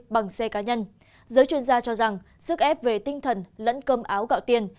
bằng xe cá nhân giới chuyên gia cho rằng sức ép về tinh thần lẫn cơm áo gạo tiền